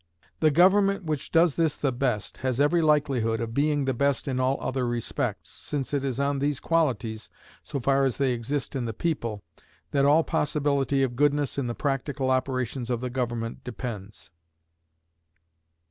The government which does this the best has every likelihood of being the best in all other respects, since it is on these qualities, so far as they exist in the people, that all possibility of goodness in the practical operations of the government depends.